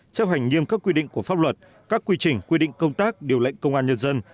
chấp hành nghiêm các quy định của pháp luật các quy trình quy định công tác điều lệnh công an nhân dân